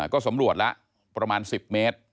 ก็สำรวจละประมาณ๑๐เมตร